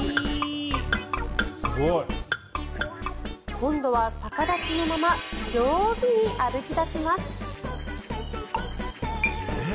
今度は逆立ちのまま上手に歩き出します。